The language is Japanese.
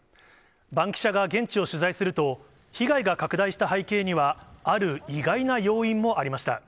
バンキシャが現地を取材すると、被害が拡大した背景には、ある意外な要因もありました。